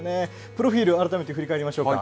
プロフィール改めて振り返りましょうか。